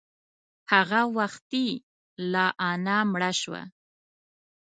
هغه وختي لا انا مړه شوه.